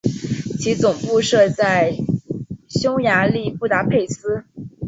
其总部设在匈牙利布达佩斯。